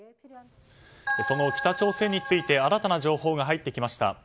その北朝鮮について新たな情報が入ってきました。